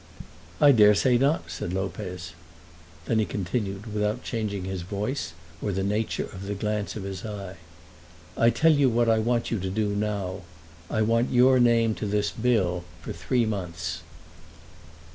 "I dare say not," said Lopez. Then he continued without changing his voice or the nature of the glance of his eye, "I'll tell you what I want you to do now. I want your name to this bill for three months."